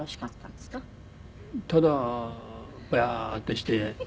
ただボヤーッとして。